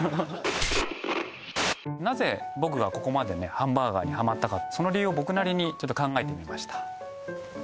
なぜ僕がここまでハンバーガーにハマったかその理由を僕なりにちょっと考えてみました